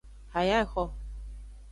Haya exo.